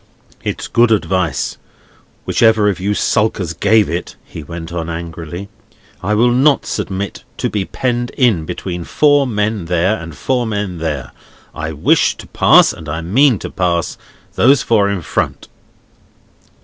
"It's good advice, whichever of you skulkers gave it," he went on angrily. "I will not submit to be penned in between four men there, and four men there. I wish to pass, and I mean to pass, those four in front."